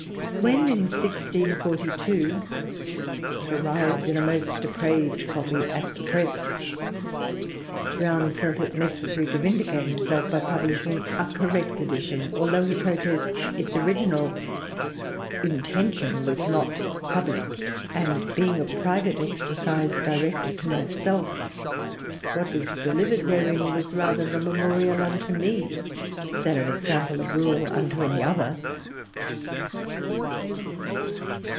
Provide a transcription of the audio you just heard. When in 1642 "it arrived in a most depraved copy at the press," Browne felt it necessary to vindicate himself by publishing a correct edition, although, he protests, its original "intention was not publick: and being a private exercise directed to myself, what is delivered therein was rather a memorial unto me than an example or rule unto any other."